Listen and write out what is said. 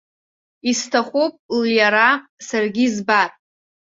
Исҭахуп лиара саргьы избар.